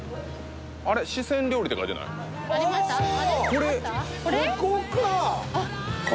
これあっここか！